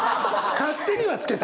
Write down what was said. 勝手には付けた。